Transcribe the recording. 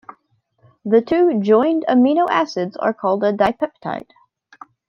The two joined amino acids are called a dipeptide.